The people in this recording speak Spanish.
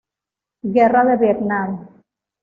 Guerra de Vietnam.